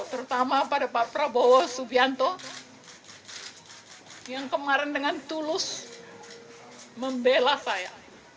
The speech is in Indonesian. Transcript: terutama pada pak prabowo subianto yang kemarin dengan tulus membela saya